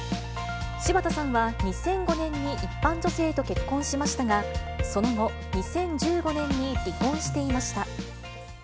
柴田さんは２００５年に一般女性と結婚しましたが、その後、２０１５年に離婚していました。